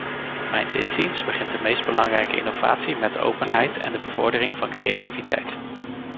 Mijns inziens begint de meest belangrijke innovatie met openheid en de bevordering van creativiteit.